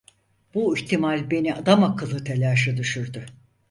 Bu ihtimal beni adamakıllı telaşa düşürdü.